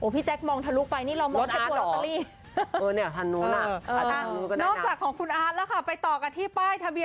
พี่แจ๊คมองทะลุไปนี่เรามองจากลอตเตอรี่